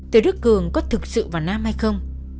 từ đức cường có thực sự vào nam hay không